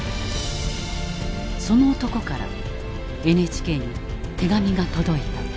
その男からＮＨＫに手紙が届いた。